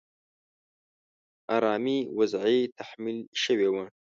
آرامي وضعې تحمیل شوې وه.